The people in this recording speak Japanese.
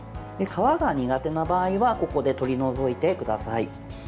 皮が苦手な場合はここで取り除いてください。